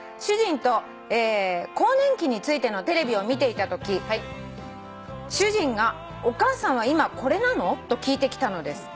主人と更年期についてのテレビを見ていたとき主人が『お母さんは今これなの？』と聞いてきたのです」